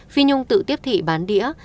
phi nhung tự tiếp thị bán đĩa